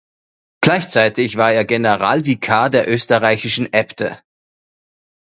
Gleichzeitig war er Generalvikar der österreichischen Äbte.